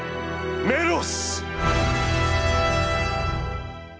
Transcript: メロス」。